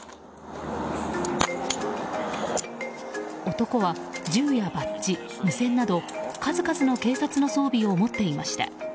男は銃やバッジ、無線など数々の警察の装備を持っていました。